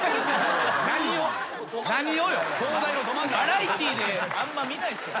バラエティーであんま見ないっすよ。